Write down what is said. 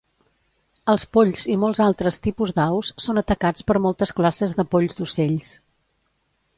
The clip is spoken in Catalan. Els polls i molts altres tipus d'aus són atacats per moltes classes de polls d'ocells.